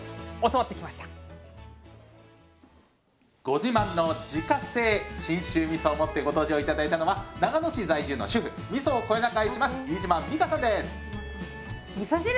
ご自慢の自家製信州みそを持ってご登場頂いたのは長野市在住の主婦みそをこよなく愛します飯島美香さんです！